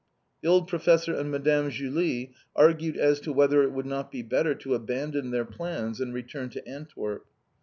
The old Professor and Madame Julie argued as to whether it would not be better to abandon their plans and return to Antwerp.